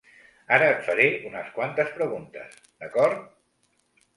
Ara et faré unes quantes preguntes, d'acord?